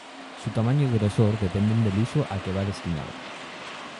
Su tamaño y grosor dependen del uso a que va destinado.